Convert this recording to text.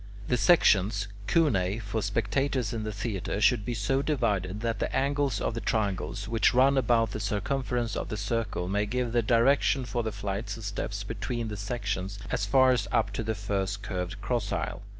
The sections (cunei) for spectators in the theatre should be so divided, that the angles of the triangles which run about the circumference of the circle may give the direction for the flights of steps between the sections, as far as up to the first curved cross aisle.